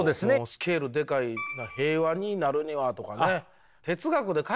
スケールでかい平和になるにはとかね。